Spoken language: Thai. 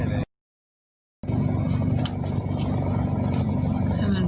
เดี๋ยวโม่เห้ย